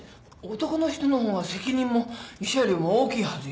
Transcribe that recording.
男の人の方が責任も慰謝料も大きいはずよ。